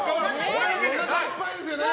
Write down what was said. おなかいっぱいですよね。